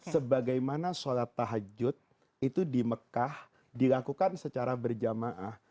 sebagaimana sholat tahajud itu di mekah dilakukan secara berjamaah